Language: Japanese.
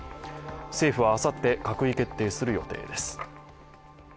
政府はあさって閣議決定する予定です。